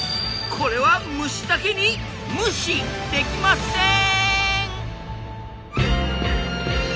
これは虫だけにムシできません！